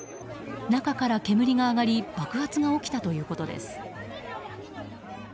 中から煙が上がり爆発が起きたということです。